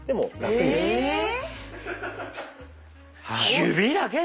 ⁉指だけで？